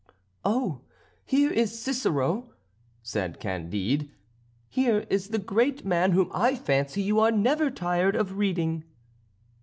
"Oh! here is Cicero," said Candide. "Here is the great man whom I fancy you are never tired of reading."